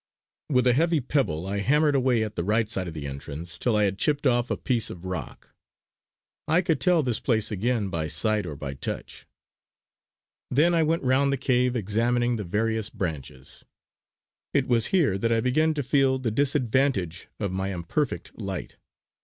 With a heavy pebble I hammered away at the right side of the entrance till I had chipped off a piece of rock. I could tell this place again by sight or by touch. Then I went round the cave examining the various branches. It was here that I began to feel the disadvantage of my imperfect light.